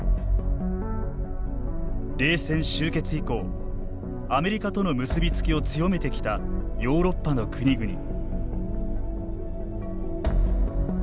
冷戦終結以降、アメリカとの結びつきを強めてきたヨーロッパの国々。